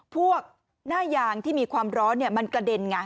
พวกหน้ายางที่มีความร้อนมันกระเด็นไง